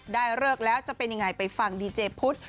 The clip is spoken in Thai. เลิกแล้วจะเป็นยังไงไปฟังดีเจพุทธ